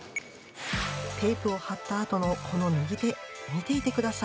テープを貼ったあとのこの右手、見ていてください。